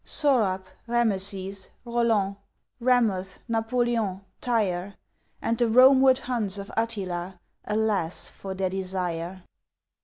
Sohrab, Rameses, Roland, Ramoth, Napoleon, Tyre, And the Romeward Huns of Attila Alas, for their desire!